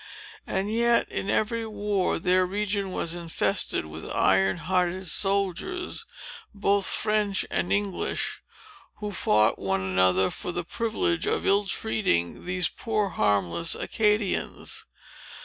And yet, in every war, their region was infested with iron hearted soldiers, both French and English, who fought one another for the privilege of ill treating these poor harmless Acadians.